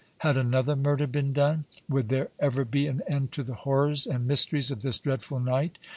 Had another murder been done? Would there ever be an end to the horrors and mysteries of this dreadful night?